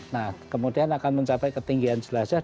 nah kemudian akan mencapai ketinggian jelajah